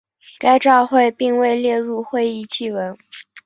该照会并未列入会议记文。